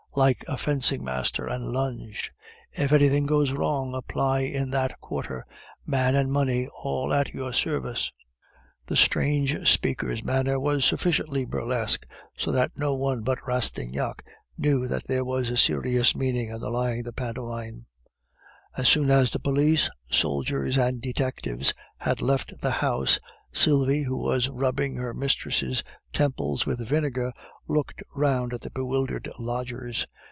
like a fencing master, and lunged. "If anything goes wrong, apply in that quarter. Man and money, all at your service." The strange speaker's manner was sufficiently burlesque, so that no one but Rastignac knew that there was a serious meaning underlying the pantomime. As soon as the police, soldiers, and detectives had left the house, Sylvie, who was rubbing her mistress' temples with vinegar, looked round at the bewildered lodgers.